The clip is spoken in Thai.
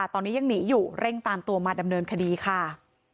ตอนนี้ยังหนีอยู่เร่งตามตัวมาดำเนินคดีค่ะ